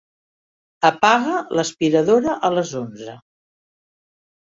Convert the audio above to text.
Apaga l'aspiradora a les onze.